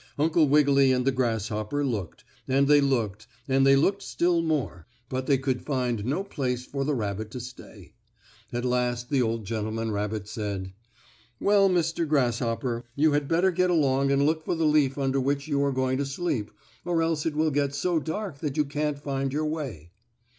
Uncle Wiggily and the grasshopper looked, and they looked, and they looked still more, but they could find no place for the rabbit to stay. At last the old gentleman rabbit said: "Well, Mr. Grasshopper, you had better get along and look for the leaf under which you are going to sleep, or else it will get so dark that you can't find your way."